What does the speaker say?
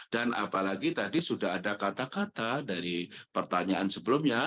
dan apalagi tadi sudah ada kata kata dari pertanyaan sebelumnya